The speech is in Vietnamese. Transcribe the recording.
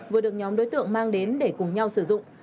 vừa được nhóm đối tượng mang đến để cùng nhau sử dụng